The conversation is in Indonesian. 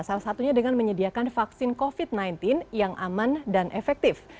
salah satunya dengan menyediakan vaksin covid sembilan belas yang aman dan efektif